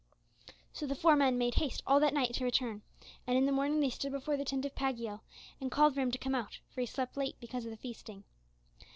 So the four men made haste all that night to return, and in the morning they stood before the tent of Pagiel and called for him to come out for he slept late because of the feasting.